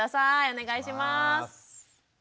お願いします。